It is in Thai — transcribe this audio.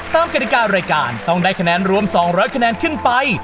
กฎิการายการต้องได้คะแนนรวม๒๐๐คะแนนขึ้นไป